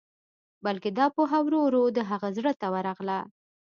بلکې دا پوهه ورو ورو د هغه زړه ته ورغله.